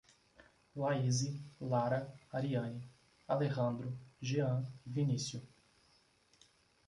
Laíse, Lara, Ariane, Alejandro, Gean e Vinício